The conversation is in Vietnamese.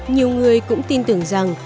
nhiều người cũng tin tưởng rằng